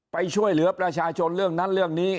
ไปช่วยเหลือประชาชนเรื่องนั้นเรื่องนี้